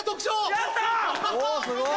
やった！